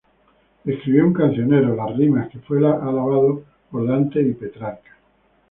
Escribió un cancionero, las "Rimas", que fue alabado por Dante y por Petrarca.